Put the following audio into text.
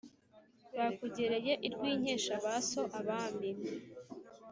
bakugereye i rwinkesha ba so abami